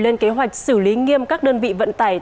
lên kế hoạch xử lý nghiêm các đơn vị vận tải